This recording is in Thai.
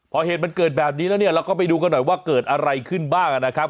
พอเหตุมันเกิดแบบนี้แล้วเนี่ยเราก็ไปดูกันหน่อยว่าเกิดอะไรขึ้นบ้างนะครับ